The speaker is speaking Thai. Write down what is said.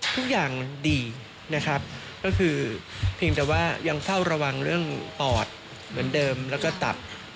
ทุกอย่างดีนะครับก็คือเพียงแต่ว่ายังเฝ้าระวังเรื่องปอดเหมือนเดิมแล้วก็ตับ